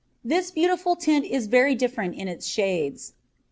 This beautiful tint is very different in its shades.